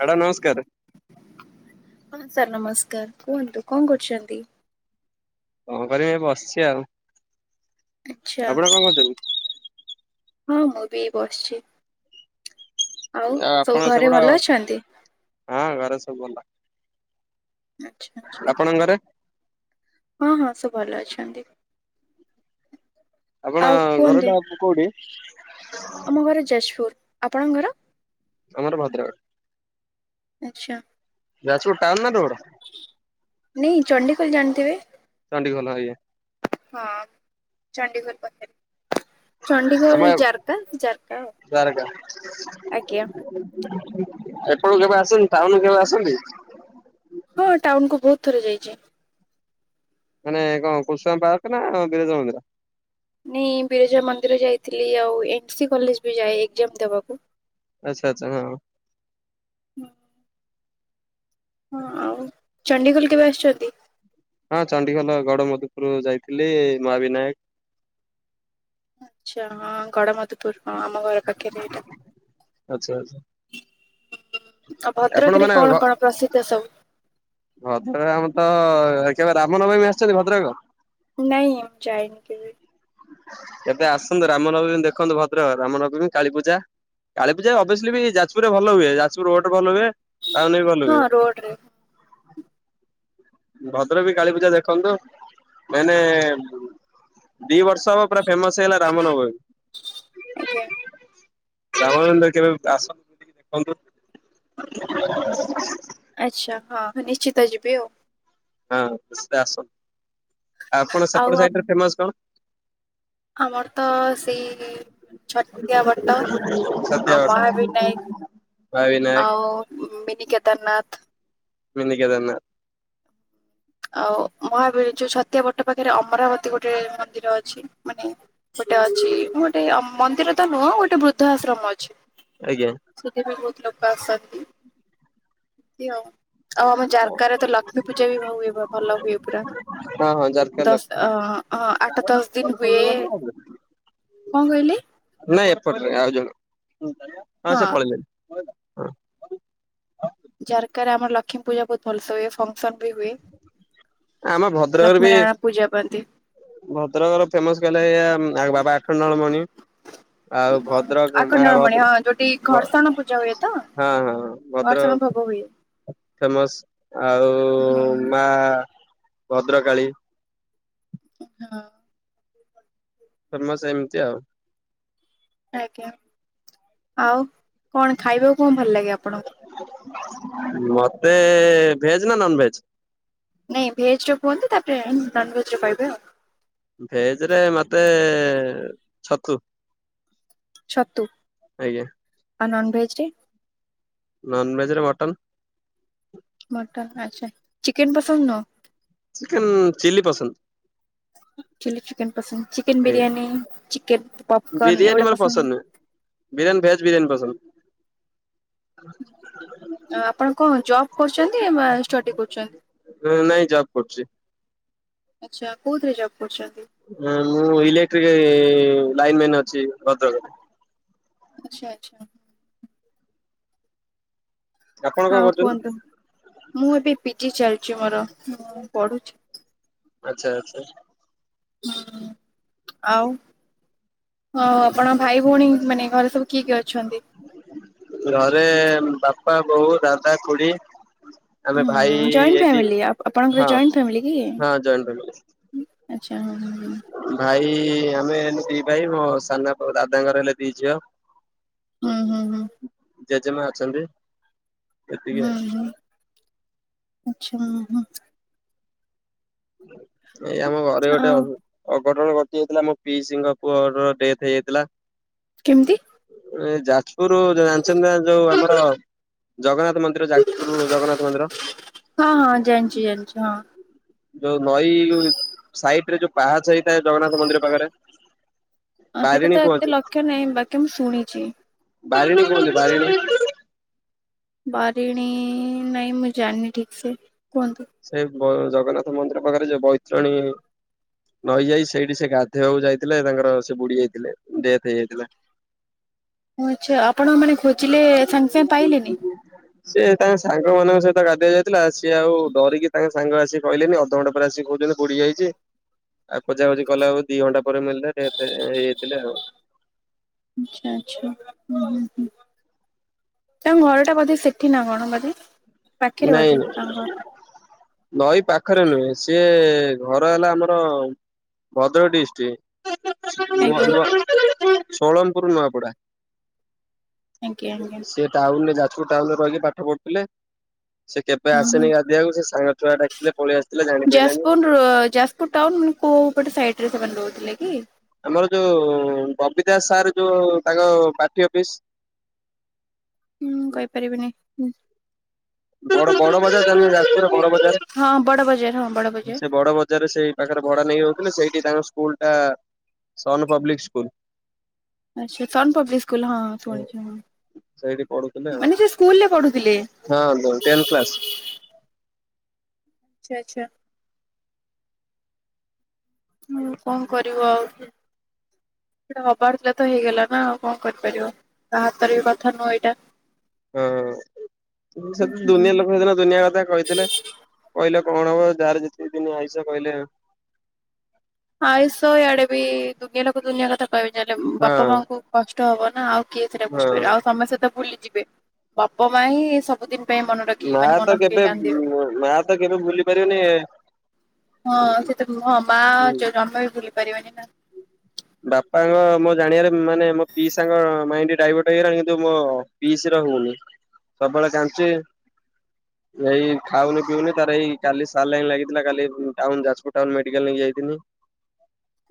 Madam ନମସ୍କାର ହଁ sir ନମସ୍କାର କୁହନ୍ତୁ କଣ କରୁଛନ୍ତି? କଣ କରିବି ଏଇ ବସିଛି ଆଉ। ଆଚ୍ଛା ଆପଣ କଣ କରୁଛନ୍ତି ହଁ ମୁଁ ବି ବସିଛି। ଆଉ ଆପଣ ସବୁ ଘରେ ସେପଟ ଭଲ ଅଛନ୍ତି? ହଁ ଘର ସବୁ ଭଲ। ଆଚ୍ଛା ଆଚ୍ଛା। ଆପଣଙ୍କ ଘରେ? ହଁ ହଁ ସବୁ ଭଲ ଅଛନ୍ତି। ଆପଣ ଆଉ ଘର କୁହନ୍ତୁ ଟା କୋଉଠି? ଆମ ଘର ଯାଜପୁର, ଆପଣଙ୍କ ଘର? ଆମର ଭଦ୍ରକ। ଆଚ୍ଛା। ଯାଜପୁର୍ ଟାଉନ୍ ନା ରୋଡ୍? ନାଇଁ ଚଣ୍ଡିଖୋଲ ଜାଣିଥିବେ? ଚଣ୍ଡିଖୋଲ ଆଜ୍ଞା। ହଁ ଚଣ୍ଡିଖୋଲ୍ ପାଖେରେ। ଆମ ଚଣ୍ଡିଖୋଲ୍ ଜାର୍ କା ଜାର୍ କା ଆଉ ଆଜ୍ଞା। ଅପଟକୁ କେବେ ଆସନ୍ତି ଟାଉନ କେବେ ଆସନ୍ତି? ହଁ ଟାଉନ୍ କୁ ବହୁତ୍ ଥର ଯାଇଛି। ମାନେ କଣ କୁସୁମା ପାର୍କ ନା ବିରଜା ମନ୍ଦିର? ନାଇଁ ବିରଜା ମନ୍ଦିର ଯାଇଥିଲି ଆଉ ଏନ୍ ସି କଲେଜ ବି ଯାଏ ଏଜ୍ଜାମ ଦେବାକୁ। ଆଚ୍ଛା ଆଚ୍ଛା ହଁ। ହୁଁ। ହଁ ଆଉ ଚଣ୍ଡିଖୋଲ୍ କେବେ ଆସୁଛନ୍ତି? ହଁ ଚଣ୍ଡିଖୋଲ ଗଡ ମଧୁପୁର ଯାଇଥିଲି ମାହାବିିନାୟକ ଆଚ୍ଛା ହଁ ଗଡ ମଧୁପୁର ହଁ ଆମ ଘର ପାଖରେ ଏଇଟା। ଆଚ୍ଛା ଆଚ୍ଛା ଉଁ ଆଉ ଆପଣ ଭଦ୍ରକ ରେ ମାନେ ଭ କଣ କଣ ପ୍ରସିଦ୍ଧ ସବୁ? ଭଦ୍ରକ ଆମର ତ କେବେ ରାମନବମୀ ଆସିଛନ୍ତି ଭଦ୍ରକ? ନାଇଁ ମୁଁ ଯାଇନି କେବେ। ଏବେ ଆସନ୍ତୁ ରାମନବମୀ ଦେଖନ୍ତୁ ଭଦ୍ରକ ରାମନବମୀ କାଳୀ ପୂଜା। କାଳି ପୂଜା ଅଭିଏସଲି ବି ଯାଜପୁର ରେ ଭଲ ହୁଏ ଜାଯପୁରୁ ରୋଡ ରେ ଭଲ ହୁଏ। ହଁ ରୋଡ୍ ରେ। ଭଦ୍ରକ ବି କାଳୀ ପୂଜା ଦେଖନ୍ତୁ ମେନେ ଦି ବର୍ଷ ହବ ପୁରା ଫେମସ୍ ହେଲା ରାମ ଆଜ୍ଞା ନବମୀ। ରାମ [unintelligible] କେବେ ଆସନ୍ତୁ ବୁଲିକି ଦେଖନ୍ତୁ। ଆଚ୍ଛା ହଁ ନିଶ୍ଚିତ ଯିବି ଆଉ। ହଁ ସିଏ ଆସନ୍ତୁ ଆପଣ ଆଉ ସେପଟ ଆ ସାଇଟ୍ ରେ ଫେମସ କଣ? ଆମର ତ ସେଇ ମା ଛତିଆ ବଟ ଛତିଆ ଆଉ ବଟ ମହାବିନାୟକ ମହାବିନାୟକ ଆଉ mini Kedarnath. Mini Kedarnath. ଆଉ ମହାବୀର ଯୋଉ ଛତଆ ବଟ ପାଖରେ ଅମରାବତୀ ଗୋଟେ ମନ୍ଦିର ଅଛି ମାନେ ଗୋଟେ ଅଛି ଉଁ ଗୋଟେ ଅ ମନ୍ଦିର ତ ନୁହଁ ଗୋଟେ ବୃଦ୍ଧା ଆଶ୍ରମ ଅଛି। ଆଜ୍ଞା। ସେଠି ବି ବହୁତ୍ ଲୋକ ଆସନ୍ତି। ଏମିତି ଆଉ ଆଉ ଆମ ଜାରକା ରେ ତ ଲକ୍ଷ୍ମୀ ପୂଜା ବି ହୁଏ ଭ ଭଲ ହୁଏ ପୁରା। ହଁ ହଁ ଜାରକା ଲ ଦଶ ଅ ହଁ ଆଠ ଦଶ ଦିନି ହୁଏ କଣ କହିଲେ? ନାଇଁ ଏପଟରେ ଆଉ ଜଣ ହଁ ସେ ପଳେଇଲେଣି। ହଁ ଯାରକାରେ ଆମର ଲକ୍ଷ୍ମୀ ପୂଜା ବହୁତ୍ ଭଲସ ହୁଏ ଫଙ୍କସନ ବି ହୁଏ। ଲକ୍ଷ୍ମୀ ନାରାୟଣ ପୂଜା ପାଆନ୍ତି। ଭଦ୍ରକ ର ଫେମସ ଗଲେ ଏଇଆ ଉଁ ଆ ବାବା ଆଖଣ୍ଡଳମଣି। ଆଉ ଭଦ୍ରକ ଆ ଆଖଣ୍ଡଳମଣି ଭଦ୍ର ହଁ ଯୋଉଠି ଭ ଘର୍ଷଣ ପୂଜା ହୁଏ ତ ହଁ ହଁ ଘର୍ଷଣ ଭୋଗ ଭଦ୍ରକ ହୁଏ ଫେମସ ଆଉ ହୁଁ ମା ଭଦ୍ରକାଳୀ। ହଁ। ଫେମସ ଏମିତି ଆଉ। ଆଜ୍ଞା ଆଉ କଣ ଖାଇବାକୁ କଣ ଭଲ ଲାଗେ ଆପଣଙ୍କୁ? ମତେ ଭେଜ ନା ନନଭେଜ। ନାଇଁ ଭେଜର କୁହନ୍ତୁ ତାପରେ ନନଭେଜ ର କହିବେ ଆଉ। ଭେଜ ରେ ମତେ ଛତୁ। ଛତୁ ଆଜ୍ଞା ଆଉ ନନଭେଜରେ। ନନଭେଜ ରେ ମଟନ୍। ମଟନ୍ ଆଚ୍ଛା ଚିକେନ ପସନ୍ଦ ନୁହଁ। ଚିକେନ ଚିଲ୍ଲି ପସନ୍ଦ। ଚିଲ୍ଲି ଚିକେନ ପସନ୍ଦ ଚିକେନ ଆଜ୍ଞା ବିିରିୟାନ ଚିକେନ ପପକନ୍ ଏଇଗୁଡ଼ା ପସନ୍ଦ [unintelligible] ବିରିୟାନ ଭେଜ୍ ବିରିୟାନ ପସନ୍ଦ। ଆପଣ କଁ ଜବ୍ କରୁଛନ୍ତି ବା ଷ୍ଟଡି କରୁଚନ୍ତି। ଉଁ ନାଇଁ ଜବ କରୁଚି। ଆଚ୍ଛା କୋଉଥିରେ ଜବ କରୁଛନ୍ତି। ଉଁ ମୁଁ ଇଲେକ୍ଟ୍ରିକ ଲାଇନ ମ୍ୟାନ୍ ଅଛି ଭଦ୍ରକରେ। ଆଚ୍ଛା ଆଚ୍ଛା। ଆପଣ କଣ ଆଉ କରୁଛନ୍ତି? କୁହନ୍ତୁ ମୁଁ ଏବେ ପିଜି ଚାଲିଚି ମୋର ମୁଁ ପଢୁଛି। ଆଚ୍ଛା ଆଚ୍ଛା। ହୁଁ ଆଉ। ଅ ଆପଣଙ୍କ ଭାଇ ଭୋଉଣୀ ମାନେ ଘରେ ସବୁ କିଏ କିଏ ଅଛନ୍ତି। ଘରେ ବାପା ବୋଉ ଦାଦା ଖୁଡ଼ି। ହୁଁ ଜଏଣ୍ଟ ଫ୍ୟାମିଲି ଆପ ଆପଣଙ୍କର ହଁ ଜଏଣ୍ଟ ଫ୍ୟାମିଲି କି। ହଁ ଜଏଣ୍ଟ ଫ୍ୟାମିଲି। ହୁଁ ଆଚ୍ଛା [unintelligible] ଭାଇ ଆମେ ହେନୁ ଦି ଭାଇ ମୋ ସାନଆପ ଦାଦାଙ୍କର ହେଲେ ଦି ଝିଅ। ହୁଁ ହୁଁ ହୁଁ। ଜେଜେମା ଅଛନ୍ତି। ଏତିକି ହୁଁ ହୁଁ ଆଚ୍ଛା ଉହୁଁ। ଏଇ ଆମ ଘରେ ଗୋଟେ ଆଉ [unintelligible] ଅଘଟଣ ଘଟି ଯାଇଥିଲା ମୋ ପିସିଙ୍କ ପୁଅର ଡେଥ ହେଇଯାଇଥିଲା। କେମିତି। ଏଇ ଯାଜପୁରୁ ଜାଣିଚନ୍ତି ନା ଯୋଉ ଆମର ଜଗନ୍ନାଥ ମନ୍ଦିର ଯାଜପୁରୁ ଜଗନ୍ନାଥ ମନ୍ଦିର। ହଁ ହଁ ଜାଣିଚି ଜାଣିଚି ହଁ। ଯୋଉ ନଈ ସାଇଟ୍ ରେ ଯୋଉ ପାହାଚ ହେଇଥାଏ ଜଗନ୍ନାଥ ମନ୍ଦିର ପାଖେରେ ବାରିଣୀ କୁହନ୍ତି। [unintelligible] ନାଇଁ ବାକି ମୁଁ ଶୁଣିଚି। ବାରିଣୀ କୁହନ୍ତି ବାରିଣୀ। ବାରିଣୀ ନାଇଁ ମୁଁ ଜାଣିନି ଠିକ ସେ କୁହନ୍ତୁ। ସେଇ ବ ଜଗନ୍ନାଥ ମନ୍ଦିର ପାଖେରେ ଯୋଉ ବୈତରଣୀ। ନଈ ଯାଇଛି ସେଇଠି ସିଏ ଗାଧୋଇବାକୁ ଯାଇଥିଲେ ତାଙ୍କର ସେ ବୁଡ଼ି ଯାଇଥିଲେ ଡେଥ ହେଇଯାଇଥିଲା। [inaudible] ଓ ଆଚ୍ଛା ଆପଣ ମାନେ ଖୋଜିଲେ ସାଙ୍ଗେ ସାଙ୍ଗେ ପାଇଲେନି। ସିଏ ତାଙ୍କ ସାଙ୍ଗ ମାନଙ୍କ ସହିତ ଗାଧେଇ ଯାଇଥିଲା ସିଏ ଆଉ ଡରିକି ତାଙ୍କେ ସାଙ୍ଗ ଆସିକି କହିଲେନି ଅଧ ଘଣ୍ଟେ ପରେ ଆସି କୋହୁଚନ୍ତି ବୁଡି ଯାଇଚି। ଆଉ ଖୋଜା ଖୋଜି କଲେ [unintelligible] ଦି ଘଣ୍ଟା ପରେ ମିଳିଲେ ଡେଥ ହେଇଥିଲେ ଆଉ। ଆଚ୍ଛା ଆଚ୍ଛା ହୁଁ ହୁଁ ହୁଁ। ତାଙ୍କ ଘର ଟା ବୋଧେ ସେଠି ନା କଣ ବୋଧେ? ପାଖରେ ନାଇଁ ବୋଧେ ତାଙ୍କ ଘର ନାଇଁ। ନଈ ପାଖରେ ନୁହେଁ ସିଏ ଘର ହେଲା ଆମର ଭଦ୍ରକ ଡିଷ୍ଟ। ଆଜ୍ଞା [unintelligible] ଷୋଳନପୁର ନୂଆପଡ଼ା। ଆଜ୍ଞା ଆଜ୍ଞା। ସେ ଟାଉନ ରେ ଯାଜପୁର ଟାଉନ ରେ ରହିକି ପାଠ ପଢୁଥିଲେ ସେ କେବେ ହୁଁ ହୁଁ। ଆସେନି ଗାଧୋଇବାକୁ ସେ ସାଙ୍ଗ ଛୁଆ ଡାକିଥିଲେ ପଳେଇ ଆସିଥିଲା ଜାଣି ପାରିଲାନି। ଯାଜପୁର ଯାଜପୁର ଟାଉନ ମାନେ କୋଉ ପଟ ସାଇଡ ରେ ସେମାନେ ରହୁଥିଲେ କି? ଆମର ଯୋଉ ବବି ଦାସ ସାର୍ ଯୋଉ ତାଙ୍କ ପାର୍ଟି ଅଫିସ ହୁଁ କହିପାରିବିନି। ବଡ ବଡ ବଜାର ଜାନ ଯାଜପୁର ର ବଡ ବଜାର ହଁ ବଡ ବଜାର ହଁ ବଡ ବଜାର। ସେ ବଡ ବଜାରରେ ସେଇ ପାଖରେ ଭଡା ନେଇକି ରହୁଥିଲେ। ସେଇଠି ତାଙ୍କ ସ୍କୁଲ ଟା ସନ ପବ୍ଲିକ ସ୍କୁଲ। ଆଛା ସନ ପବ୍ଲିକ ସ୍କୁଲ ହଁ ଶୁଣିଚି ସେଇଠି ପଢୁଥିଲେ ହୁଁ ଆଉ ମାନେ ଯୋଉ ସ୍କୁଲ ରେ ପଢୁଥିଲେ? ହଁ ଦ ଟେନ୍ଥ କ୍ଲାସ୍। ଆଛା ଆଛା। ହଁ କଣ କରିବୁ ଆଉ? ସେଟା ହବାର ଥିଲା ତ ହେଇଗଲା ନା ଆଉ କଣ କରିପାରିବ। କାହା ହାତର ବି କଥା ନୁହଁ ଏଇଟା। ହଁ ସେ ତ ଦୁନିଆ ଲୋକକୁ ହୁଁ। ସେଦିନ ଦୁନିଆ କଥା କହିଥିଲା। କହିଲେ କଣ ହବ ଯାହାର ଯେତିକି ଦିନ ଆଇସ କହିଲେ ଆୟୁଷ ଆଡେ ବି ଦୁନିଆ ଲୋକ ଦୁନିଆ କଥା କହିବେ ଚାଲେ ହଁ ବାପା ମାଆଙ୍କୁ କଷ୍ଟ ହବ ନା ଆଉ କିଏ ସେଇଟା ହଁ ବୁଝିପାରିବ ଆଉ ସମେ ସହିତ ଭୁଲିଯିବେ ବାପା ମା ହିଁ ସବୁଦିନ ପାଇଁ ମନେ ରଖିକି ମା ମାନେ ମନେ ତ ପକେଇ କେବେ କାନ୍ଦିବେ। ମା ତ କେବେ ଭୁଲି ପାରିବନି ହଁ ସେ ତ ହଁ ମା ଜ ଜମା ବି ଭୁଲି ପାରିବନି ନା। ବାପାଙ୍କ ମୋ ଜାଣିବାରେ ମାନେ ମୋ ପିଇସା ଙ୍କ ମାଇଣ୍ଡ ଡାଇଭର୍ଟ ହେଇଗଲାଣି କିନ୍ତୁ ମ ପିଇସି ର ହଉନି। ସବୁବେଳେ କାନ୍ଦୁଚି। ଏଇ ଖାଉନି ପିଉନି ତାର ଏଇ କାଲି ସାଲାଇନ୍ ଲାଗିଥିଲା କାଲି ଉଁ ଟାଉନ୍ ଯାଜପୁର ଟାଉନ୍ ମେଡିକାଲ୍ ନେଇକି ଯାଇଥିନି।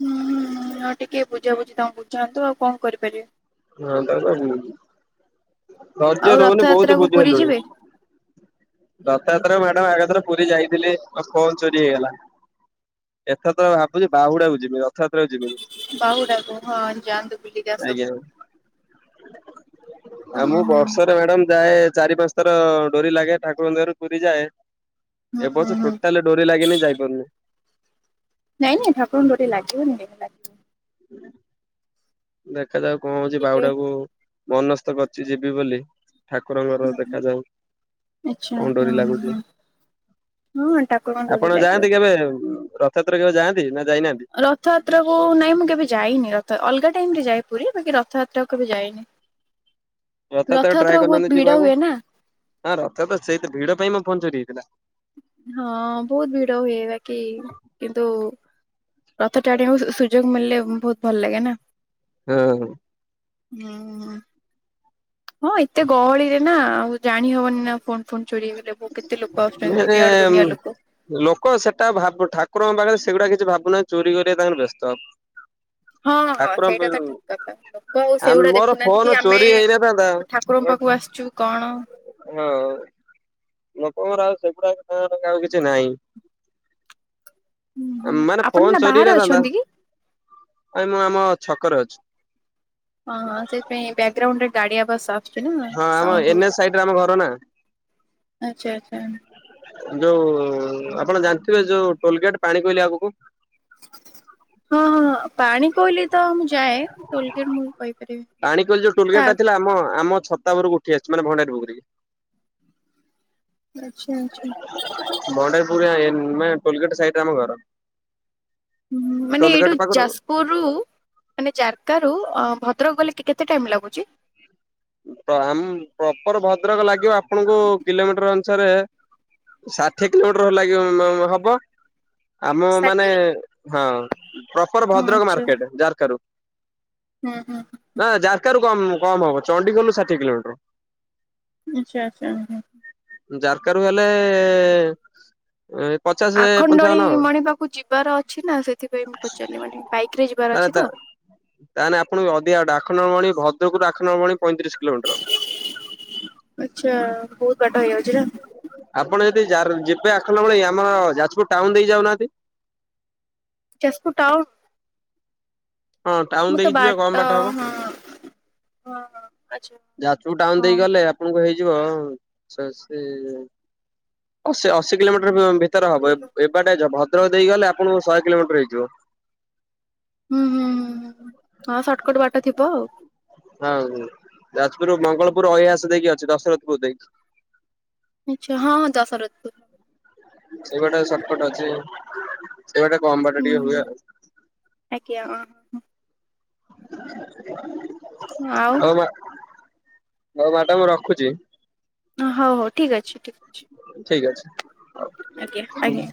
ହୁଁ ହୁଁ ହୁଁ ଆଉ ଟିକେ ବୁଜାବୁଜି ତାଙ୍କୁ ବୁଝାନ୍ତୁ ଆଉ କଣ କରିପାରିବେ। ହଁ ତାର ତ ଉଁ ଆଉ ଧର୍ଯ୍ୟ ରଉନି ରଥଯାତ୍ରା ବୋହୁତ କୁ ପୁରୀ ବୁଝେଇଲୁଣି। ଯିବେ ରଥଯାତ୍ରାରେ ମ୍ୟାଡାମ ଆଗଥର ପୁରୀ ଯାଇଥିଲି ମୋ ଫୋନ୍ ଚୋରି ହେଇଗଲା। ଏଥର ତ ଭାବୁଚି ବାହୁଡାକୁ ଯିମି ରଥଯାତ୍ରାକୁ ଯିମିନି। ବାହୁଡାକୁୁ ହଁ ଯାଆନ୍ତୁ ବୁଲିକି ଆଜ୍ଞା ଆସନ୍ତୁ। ଆଉ ହୁଁ ମୁଁ ହୁଁ ବର୍ଷରେ ମ୍ୟାଡାମ ଯାଏ ଚାରି ପାଂସ୍ ଥର ଡୋରି ଲାଗେ ଠାକୁରଙ୍କ ଦୟାରୁ ପୁରୀ ଯାଏ ହୁଁ ଏ ହୁଁ ବର୍ଷ ହୁଁ ଟୋଟାଲେ ଡୋରି ଲାଗିନି ଯାଇପାରୁନି। ନାଇଁ ନାଇଁ ଠାକୁରଙ୍କ ଡୋରି ଲାଗିବନି କାଇଁ ଲା [inaudible] ଦେଖା ଯାଉ କଣ ହଉଚି ଯିବେ ବାଉଡାକୁ ମନସ୍ତ କରିଚି ଯିବି ବୋଲି ଠାକୁରଙ୍କର ଦେଖାଯାଉ ଆଚ୍ଛା କଣ ହଁ ଡୋରି ଲାଗୁଚି। ହଁ ହଁ ହଁ ଠାକୁରଙ୍କ ଡୋରି ଆପଣ ଲାଗିବ। ଯାଆନ୍ତି କେବେ ଉଁ ରଥଯାତ୍ରା କେବେ ଯାଆନ୍ତି ନା ଯାଇନାଆନ୍ତି? ରଥଯାତ୍ରାକୁ ନାଇଁ ମୁଁ କେବେ ଯାଇନି ରଥ ଅଲଗା ଟାଇମରେ ଯାଏ ପୁରୀ ବାକି ରଥଯାତ୍ରାକୁ କେବେ ଯାଇନି। ରଥଯାତ୍ରାକୁ ରଥଯାତ୍ରା ଟ୍ରାଏ କୁ ବହୁତ କରୁନାଆନ୍ତି ଭିଡ ଯିବାକୁ। ହୁଏ ନା ହଁ ରଥଯାତ୍ରା ସେଇତ ଭିଡ ପାଇଁ ମୋ ଫୋନ୍ ଚୋରି ହେଇଥିଲା। ହଁ ବୋହୁତ ଭିଡ ହୁଏ ବାକି କିନ୍ତୁ ରଥ ଟାଣିଆକୁ ସୁ ସୁଯୋଗ ମିଳିଲେ ଉଁ ବୋହୁତ ଭଲ ଲାଗେ ନା। ହେଁ ଉଁ, ହୁଁ। ହଁ, ଏତେ ଗହଳିରେ ନା, ଆଉ ଜାଣି ହବନି ନା ଫୋନ୍ ଫୋନ୍ ଚୋରି ହେଇଗଲେ ବୋ କେତେ ଲୋକ ଆସୁଚନ୍ତି। ଦୁନିଆ ଆଡୁ ଦୁନିଆ ଲୋକ। ଲୋକ ସେଟା ଭାବୁ ଠାକୁରଙ୍କ ପାଖେରେ ସେଗୁଡା କିଛି, ଭାବୁନା ଚୋରି କରିଆରେ ତାଙ୍କର ବେସ୍ତ। ହଁ, ହଁ। ସେଇଟା ତ ଠିକ୍ କଥା। ଲୋକ ଆଉ ଆମ ସେଇଗୁଡା ମୋର ଦେଖୁନାହାଁନ୍ତି ଫୋନ କି ଆମେ ଚୋରି ହେଇନଥାନ୍ତା ତ, ଠାକୁରଙ୍କ ପାଖକୁ ଆସଚୁ କଣ ହଁ ଉ। ଲୋକଙ୍କର ଆଉ ସେଗୁଡାକ କହିଆ ପାଁଇକା ଆଉ କିଛି ନାହିଁ। ମାନେ ଆପଣ ଫୋନ୍ ନା ଚୋରି ବାହାରେ ହେଇନଥାନ୍ତା। ଅଛନ୍ତି କି? ଏଇ ମୁଁ ଆମ ଛକରେ ଅଛି। ହଁ, ହଁ ସେଇଥିପାଇଁ ବ୍ୟାଗ୍ ଗ୍ରାଉଣ୍ଡରେ ଗାଡି ଆବାସ୍ ସା [unintelligible] ମ ହଁ ଆମ ସାଉଣ୍ଡ ଏନ୍ ଏଚ୍ ହଉଚି। ସାଇଡରେ ଆମ ଘର ନା। ଆଛା, ଆଛା। ଯୋଉ ଆପଣ ଜାଣିଥିବେ, ଯୋଉ ଟୋଲଗେଟ୍ ପାଣିକୋଇଲି ଆଗୁକୁ [inaudible] ହଁ, ହଁ ପାଣିକୋଇଲି ତ ମୁଁ ଯାଏ। ଟୋଲ୍ ଗେଟ୍ ମୁଁ କହିପାରିବି। ପାଣିକୋଇଲି ଯୋଉ ତା ଟୁଲଗେଟ୍ ଟା ଥିଲା, ଆମ ଆମ ଛତାବରୁକୁ ଉଠି ଆସଚି। ମାନେ ଭଣ୍ଡାରୀ ପୋଖରୀକି ଆଛା ଆଛା। ଭଣ୍ଡାରୀପୁରେ ଏନ୍ ଏ ଟୋଲଗେଟ୍ ସାଇଟ୍ ରେ ଆମ ଘର। ଉଁ, ମାନେ ଏଇଠୁ ଟୋଲଗେଟ୍ ପାଖରୁ ଯାସପୁର ରୁ ମାନେ ଜାରକାରୁ ଆ ଭଦ୍ରକ ଗଲେ କେ-କେତେ ଟାଇମ୍ ଲାଗୁଚି? ତ ଆମ୍ ପ୍ରପର୍ ଭଦ୍ରକ ଲାଗିବ, ଆପଣଙ୍କୁ କିଲମିଟର ଅନୁସାରେ ଷାଠିଏ କିଲୋମିଟର ଲାଗିବ, ଉଁ ମ ମ ହବ। ଆମ ମାନେ ଷାଠିଏ ହଁ, ପ୍ରପର୍ ଭଦ୍ରକ ଆଚ୍ଛା ମାର୍କେଟ ଜାରକାରୁ। ହୁଁ, ହୁଁଁ, ହୁଁ। ନା ଜାରକାରୁ କମ୍ କମ୍ ହବ। ଚଣ୍ଡିଖୋଲରୁ ଷାଠିଏ କିଲୋମିଟର। ଆଛା, ଆଚା, ଓହୋ! ଜାରକା ରୁ ହେଲେ-ଏ ଏଁ ପଚା ଆଖଣ୍ଡଳୀମଣି ପାକୁ ଯିବାର ଅଛି ନା! ସେଥିପାଇଁ ମୁଁ ପଚାରିଲି ମାନେ ବାଇକ୍ ରେ ଯିବାର ଅଛି ତ! ତାନେ ଆପଣଙ୍କୁ ଅଧିକାବାଟ ଆଖଣ୍ଡଳମଣି ଭଦ୍ରକ ରୁ ଆଖଣ୍ଡଳମଣି ପଇଁତିରିଶ କିଲୋମିଟର ଆଛା, ବହୁତ୍ ବାଟ ହେଇଯାଉଛି ନା। ଆପଣ ଯଦି ଜାର୍ ଯିବେ, ଆଖଣ୍ଡମଣି ଆମର ଯାଜପୁର ଟାଉନ୍ ଦେଇ ଯାଉନାହାଁନ୍ତି। ଯାସ୍ ପୁର ଟାଉନ। ହଁ ଟାଉନ ମୁଁ ତ ଦେଇକି ଯିବେ କମ ବାଟ ହବ ହଁ, ହଁ। ଆଚ୍ଛା ଯାଜପୁର ଟାଉନ୍ ହଁ। ଦେଇକି ଗଲେ ଆପଣଙ୍କୁ ହେଇଯିବ, ଶସେ ଅଶୀ ଅଶୀ କିଲୋମିଟର ଭ-ଭିତରେ ହବ। ଏବ୍ ଏବାଟେ ଭଦ୍ରକ ଦେଇକି ଗଲେ ଆପଣଙ୍କୁ ଶହେ କିଲୋମିଟର ହେଇଯିବ। ହୁଁ ହୁଁ ହୁଁ ହୁଁ ହଁ, ସଟ୍ କଟ୍ ବାଟ ଥିବ ଆଉ। ହଁ, ଯାଜପୁର ମଙ୍ଗଳପୁର ଅଇହାସ ଦେଇକି ଅଛି। ଦଶରଥପୁର ଦେଇକି। ଆଚ୍ଛା, ହଁ, ହଁ ଦଶରଥପୁର। ସେଇ ବାଟେ ସର୍ଟକଟ ଅଛି। ସେଇ ବାଟେ କମ୍ ବାଟ ହୁଁ ଟିକେ ହୁଁ ହୁଏ ଆଉ। ଆଜ୍ଞା, ଅଁ। [inaudible] ଆଉ। [unintelligible] ମା, ହଉ ମାଡ଼ାମ୍ ରଖୁଛି। ଅ ହଉ ହଉ ଠିକ୍ ଅଛି ଠିକ୍ ଅଛି। ଠିକ୍ ଅଛି। ଆଜ୍ଞା ଆଜ୍ଞା।